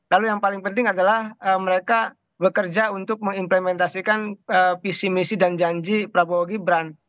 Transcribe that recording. lalu yang paling penting adalah mereka bekerja untuk mengimplementasikan visi misi dan janji prabowo gibran